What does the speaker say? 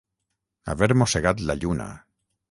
Haver mossegat la lluna.